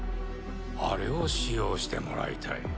あれを使用してもらいたい。